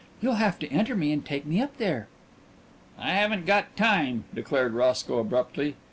"You'll have to enter me and take me up there." "I haven't got time," declared Roscoe abruptly.